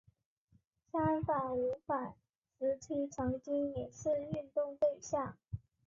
三反五反时期曾经也是运动对象。